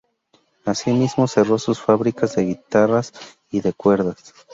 Asimismo, cerró sus fábricas de guitarras y de cuerdas.